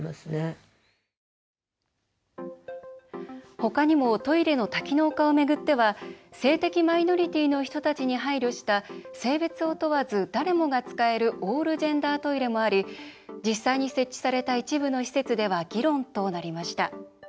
他にもトイレの多機能化を巡っては性的マイノリティーの人たちに配慮した性別を問わず誰もが使えるオールジェンダートイレもあり実際に設置された一部の施設では議論となりました。